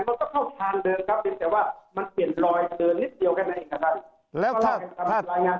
มันก็เข้าทางเดิมครับเพียงแต่ว่ามันเปลี่ยนลอยเดินนิดเดียวแค่นั้นเองนะครับ